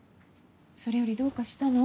それよりどうかしたの？